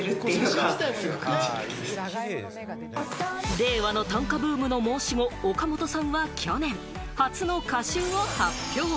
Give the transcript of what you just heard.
令和の短歌ブームの申し子・岡本さんは去年、初の歌集を発表。